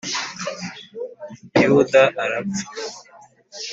Yuda arapfa